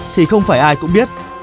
thì không phải ai cũng biết